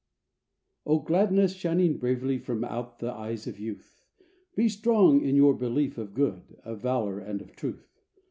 O Gladness shining bravely From out the eyes of youth, Be strong in your belief of good, Of valor and of truth.